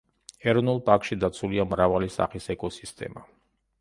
ეროვნულ პარკში დაცულია მრავალი სახის ეკოსისტემა.